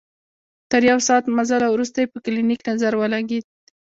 تر يو ساعت مزله وروسته يې په کلينيک نظر ولګېد.